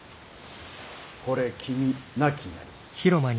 是れ君なきなり。